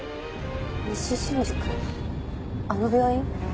西新宿あの病院？